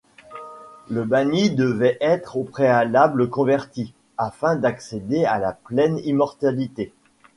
Le banni devait être au préalable converti, afin d'accéder à la pleine immortalité.